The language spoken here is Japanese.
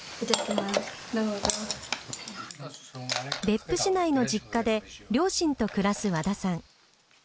別府市内の実家で両親と暮らす和田さん。